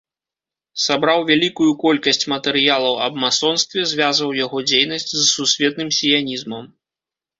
Сабраў вялікую колькасць матэрыялаў аб масонстве, звязваў яго дзейнасць з сусветным сіянізмам.